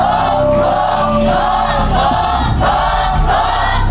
ครบครบครบครบครบครบ